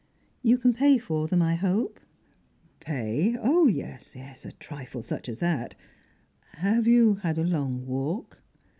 "You can pay for them, I hope?" "Pay? Oh, yes, yes! a trifle such as that Have you had a long walk?"